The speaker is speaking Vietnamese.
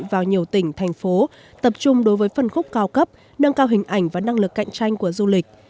vào nhiều tỉnh thành phố tập trung đối với phân khúc cao cấp nâng cao hình ảnh và năng lực cạnh tranh của du lịch